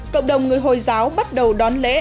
cộng đồng người hồi giáo bắt đầu đón lễ ad an ada